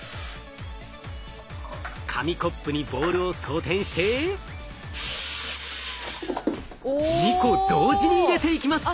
紙コップにボールを装てんして２個同時に入れていきます。